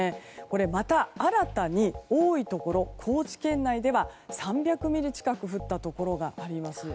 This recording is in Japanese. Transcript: また新たに多いところで高知県内では３００ミリ近く降ったところがあります。